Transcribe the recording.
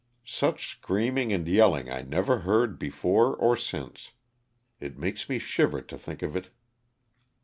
Such screaming and yelling I never heard before or since. It makes me shiver to think of it.